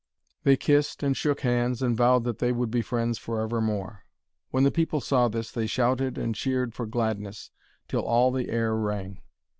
They kissed, and shook hands, and vowed that they would be friends for evermore. When the people saw this, they shouted and cheered for gladness till all the air rang.